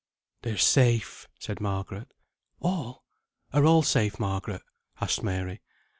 "They are safe," said Margaret. "All? Are all safe, Margaret?" asked Mary.